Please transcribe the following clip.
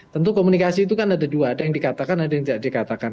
tentu komunikasi itu kan ada dua ada yang dikatakan ada yang tidak dikatakan